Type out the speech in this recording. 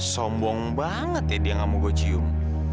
sombong banget ya dia nggak mau gua cium